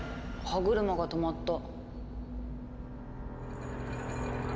歯車が止まった。